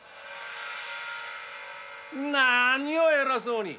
何を偉そうに。